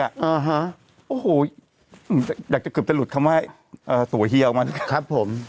อ่าฮะโอ้โหอยากจะเกือบจะหลุดคำว่าเอ่อตัวเฮียวมานะครับผม